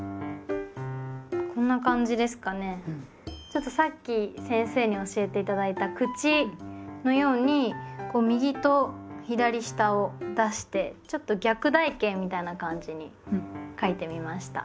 ちょっとさっき先生に教えて頂いた「口」のように右と左下を出してちょっと逆台形みたいな感じに書いてみました。